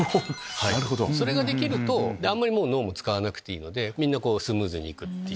それができるとあまり脳も使わなくていいのでみんなスムーズにいく。